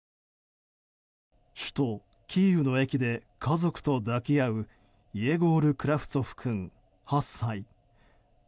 首都キーウの駅で家族と抱き合うイエゴール・クラフツォフ君８歳。